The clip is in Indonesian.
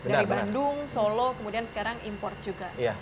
dari bandung solo kemudian sekarang import juga